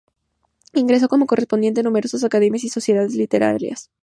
Ingresó como correspondiente en numerosas academias y sociedades literarias.